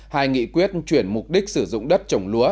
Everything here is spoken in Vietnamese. hai nghị quyết chuyển mục đích sử dụng đất trồng lúa